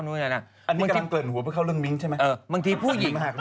อันนี้กำลังเปลี่ยนหัวเพื่อเข้าเรื่องมิ้งใช่ไหม